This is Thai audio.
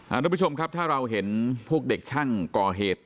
ทุกผู้ชมครับถ้าเราเห็นพวกเด็กช่างก่อเหตุ